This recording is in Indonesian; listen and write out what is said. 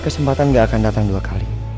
kesempatan gak akan datang dua kali